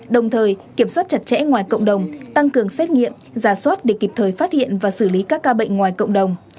đồng thời kiểm soát chặt chẽ ngoài cộng đồng tăng cường xét nghiệm giả soát để kịp thời phát hiện và xử lý các ca bệnh ngoài cộng đồng